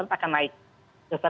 itu pasti akan terbatas akan naik